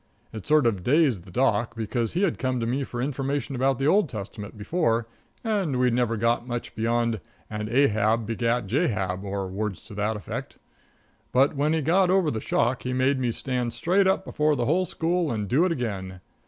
It sort of dazed the Doc, because he had come to me for information about the Old Testament before, and we'd never got much beyond, And Ahab begat Jahab, or words to that effect. But when he got over the shock he made me stand right up before the whole school and do it again.